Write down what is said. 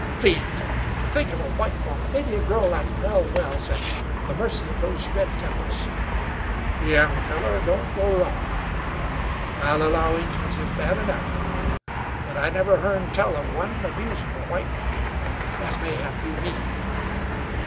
"Fiend! To think of a white woman, maybe a girl like Nell Wells, at the mercy of those red devils!" "Young fellar, don't go wrong. I'll allow Injuns is bad enough; but I never hearn tell of one abusin' a white woman, as mayhap you mean.